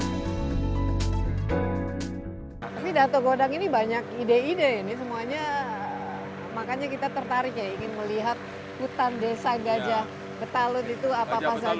tapi dato godang ini banyak ide ide ini semuanya makanya kita tertarik ya ingin melihat hutan desa gajah getalut itu apa apa saja